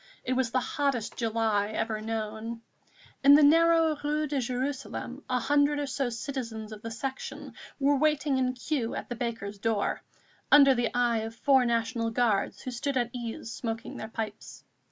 It was the hottest July ever known. In the narrow Rue de Jérusalem a hundred or so citizens of the Section were waiting in queue at the baker's door, under the eye of four National Guards who stood at ease smoking their pipes.